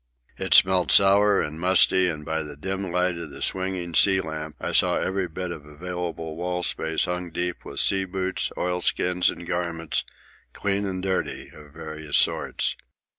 It smelled sour and musty, and by the dim light of the swinging sea lamp I saw every bit of available wall space hung deep with sea boots, oilskins, and garments, clean and dirty, of various sorts.